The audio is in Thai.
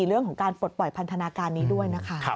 เรื่องของการปลดปล่อยพันธนาการนี้ด้วยนะคะ